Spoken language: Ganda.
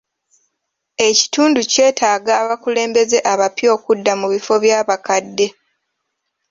Ekitundu kyetaaga abakulembeze abapya okudda mu bifo by'abakadde.